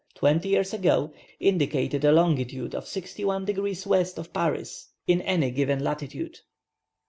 twenty years ago, indicated a longitude of 61 degrees W. of Paris, in any given latitude.